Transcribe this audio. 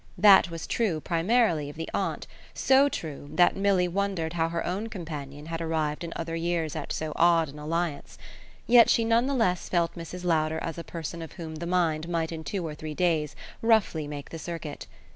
That was true, primarily, of the aunt so true that Milly wondered how her own companion had arrived in other years at so odd an alliance; yet she none the less felt Mrs. Lowder as a person of whom the mind might in two or three days roughly make the circuit.